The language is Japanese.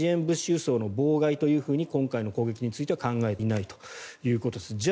物資輸送の妨害というふうに今回の攻撃については考えていないということです。